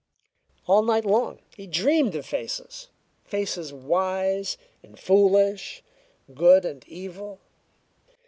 All night long he dreamed of faces faces wise and foolish, good and evil.